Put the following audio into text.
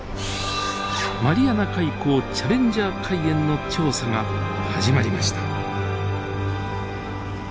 マリアナ海溝チャレンジャー海淵の調査が始まりました。